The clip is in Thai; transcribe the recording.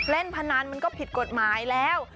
เล่นพะนั้นมันก็ผิดกฎหมายแล้ว